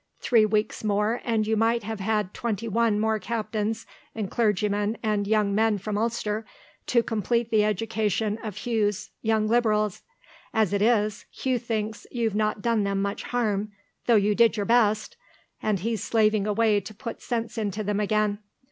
Three weeks more, and you might have had twenty one more captains and clergymen and young men from Ulster to complete the education of Hugh's young Liberals. As it is, Hugh thinks you've not done them much harm, though you did your best, and he's slaving away to put sense into them again.